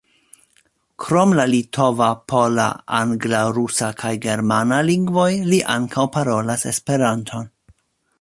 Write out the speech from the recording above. Krom la litova, pola, angla, rusa kaj germana lingvoj, li ankaŭ parolas Esperanton.